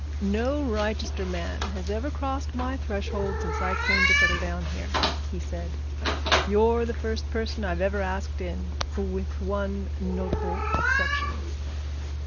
"No Wrychester man has ever crossed my threshold since I came to settle down here," he said. "You're the first person I've ever asked in with one notable exception.